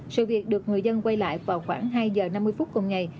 sự việc được người dân quay lại vào khoảng hai giờ năm mươi phút cùng ngày